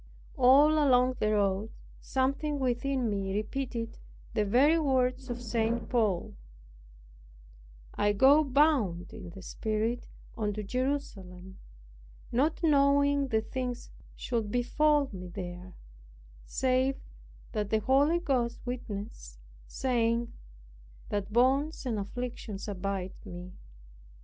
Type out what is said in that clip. All along the road something within me repeated the very words of St. Paul, "I go bound in the Spirit unto Jerusalem, not knowing the things should befall me there, save that the Holy Ghost witnesseth, saying that bonds and afflictions abide me.